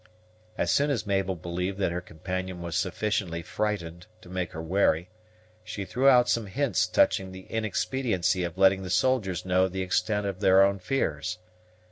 As soon as Mabel believed that her companion was sufficiently frightened to make her wary, she threw out some hints touching the inexpediency of letting the soldiers know the extent of their own fears.